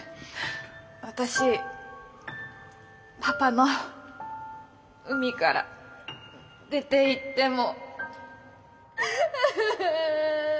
私パパの海から出ていっても。